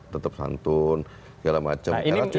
tetap santun segala macam